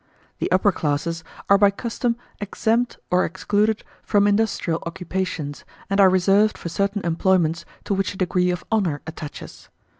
The upper classes are by custom exempt or excluded from industrial occupations, and are reserved for certain employments to which a degree of honour attaches.